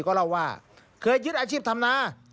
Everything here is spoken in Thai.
ก็เล่าว่าเคยยึดอาชีพธรรมนา